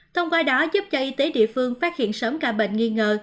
thông qua đó giúp cho y tế địa phương phát hiện sớm ca bệnh nghi ngờ